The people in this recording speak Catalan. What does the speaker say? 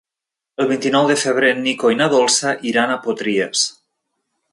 El vint-i-nou de febrer en Nico i na Dolça iran a Potries.